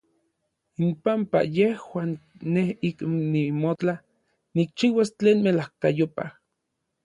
Inpampa yejuan nej ik nimotla nikchiuas tlen melajkayopaj.